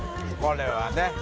これはね